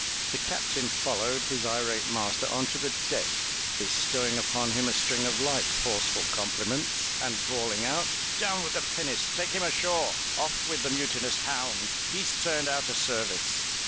The Captain followed his irate master onto the deck, bestowing upon him a string of like forceful compliments and bawling out: "Down with the pinnace! Take him ashore! Off with the mutinous hound! He's turned out o' service!"